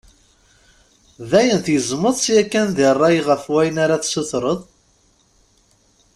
D ayen tgezmeḍ-tt yakan di ṛṛay ɣef wayen ara tessutred?